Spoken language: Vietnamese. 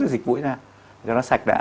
cái dịch mũi ra cho nó sạch đã